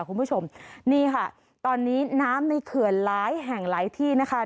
คุณผู้ชมนี่ค่ะตอนนี้น้ำในเขื่อนหลายแห่งหลายที่นะคะ